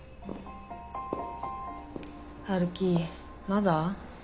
陽樹まだ？